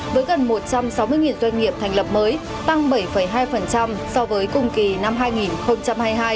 với gần một trăm sáu mươi doanh nghiệp thành lập mới tăng bảy hai so với cùng kỳ năm hai nghìn hai mươi hai